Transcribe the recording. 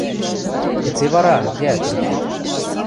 Кыце вара, йӓ, тырхет?